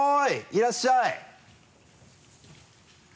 いらっしゃい。